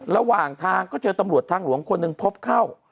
ระหว่างทางก็เจอตำรวจทางหลวงคนหนึ่งพบเข้า